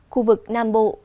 khu vực nam bộ